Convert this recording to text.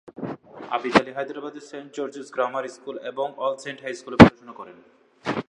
আবিদ আলী হায়দ্রাবাদের saint George's grammar school এবং all saint high স্কুলে পড়াশোনা করেন।